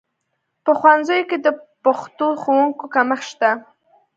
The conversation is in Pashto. په ښوونځیو کې د پښتو ښوونکو کمښت شته